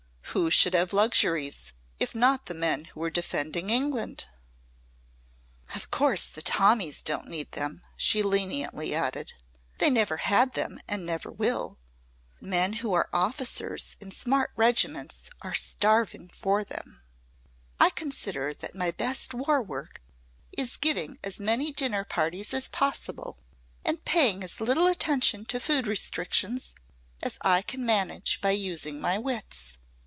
Who should have luxuries if not the men who were defending England? "Of course the Tommies don't need them," she leniently added. "They never had them and never will. But men who are officers in smart regiments are starving for them. I consider that my best War Work is giving as many dinner parties as possible, and paying as little attention to food restrictions as I can manage by using my wits."